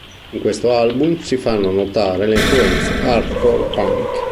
In questo album si fanno notare le influenze hardcore punk.